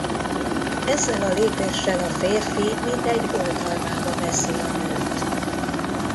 Ezzel a lépéssel a férfi mintegy oltalmába veszi a nőt.